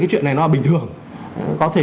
cái chuyện này nó bình thường có thể